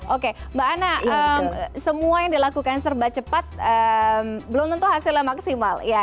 oke mbak anna semua yang dilakukan serba cepat belum tentu hasilnya maksimal